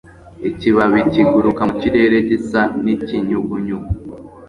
Ikibabi kiguruka mu kirere gisa n'ikinyugunyugu.